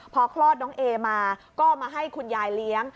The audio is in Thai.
พอคลอดน้องเอมาก็มาให้คุณยายเลี้ยง